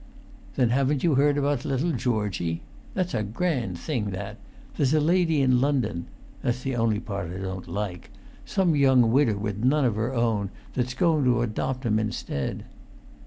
"Then haven't you heard about little Georgie? That's a grand thing, that! There's a lady in London (that's the only part I don't like), some young widder with none of her own, that's going to adopt him instead."